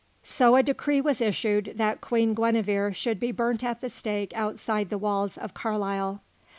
So a decree was issued that Queen Guenevere should be burnt at the stake outside the walls of Carlisle.